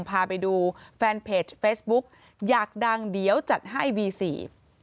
พาไปดูแฟนเพจเฟซบุ๊กอยากดังเดี๋ยวจัดให้วีสี่